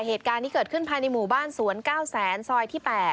เหตุการณ์ที่เกิดขึ้นภายในหมู่บ้านสวน๙แสนซอยที่๘